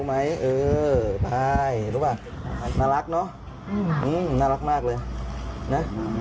ขอให้มึงไปเจาะเจ๊ง